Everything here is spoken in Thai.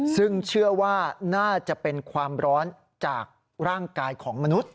ซึ่งเชื่อว่าน่าจะเป็นความร้อนจากร่างกายของมนุษย